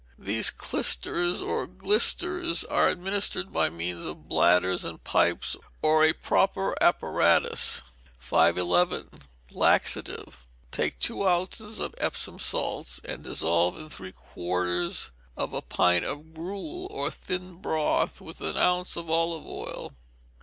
These clysters, or glysters, are administered by means of bladders and pipes, or a proper apparatus. 511. Laxative. Take two ounces of Epsom salts, and dissolve in three quarters of a pint of gruel, or thin broth, with an ounce of olive oil.